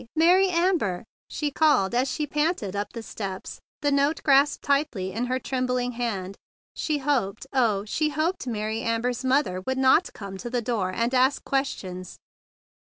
Mary Amber!" she called as she panted up the steps, the note grasped tightly in her trembling hand. She hoped, oh, she hoped Mary Amber's mother would not come to the door and ask questions.